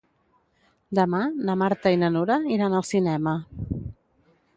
Demà na Marta i na Nura iran al cinema.